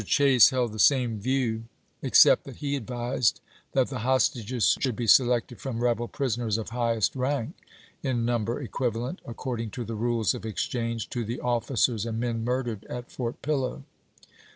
Chase held the same view, except that he advised that the hostages should be selected from rebel prisoners of highest rank, in number equivalent, according to the rules of exchange, to the officers and men murdered at Fort Pillow.